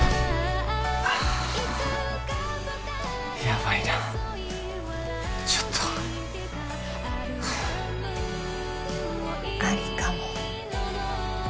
やばいなちょっとありかも？